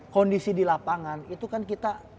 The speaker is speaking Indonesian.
kondisi di lapangan itu kan kita